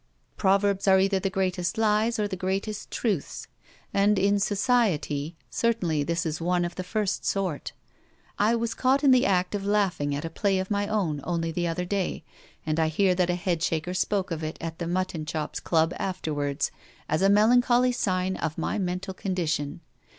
Proverbs are either the greatest lies or the greatest truths; and in 'society' certainly this is one of the first sort. I was caught in the act of laughing at a play of my own only the other day, and I hear that a head shaker spoke of it at the Mutton chops Club afterwards as a melancholy sign of my mental condition.